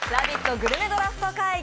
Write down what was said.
グルメドラフト会議！」